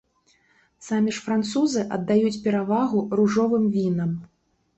Самі ж французы аддаюць перавагу ружовым вінам.